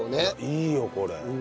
いいよこれ。